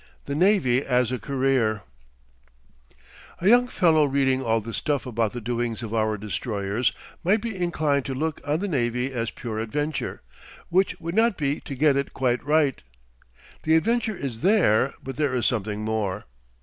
THE NAVY AS A CAREER A young fellow reading all this stuff about the doings of our destroyers might be inclined to look on the navy as pure adventure, which would not be to get it quite right. The adventure is there, but there is something more.